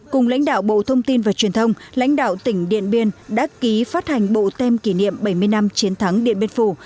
cùng lãnh đạo bộ thông tin và truyền thông lãnh đạo tỉnh điện biên đã ký phát hành bộ tem kỷ niệm bảy mươi năm chiến thắng điện biên phủ